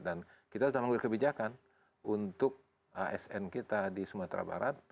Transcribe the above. dan kita sudah mengambil kebijakan untuk asn kita di sumatera barat